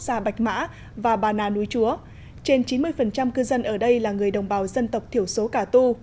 gia bạch mã và bà nà núi chúa trên chín mươi cư dân ở đây là người đồng bào dân tộc thiểu số cà tu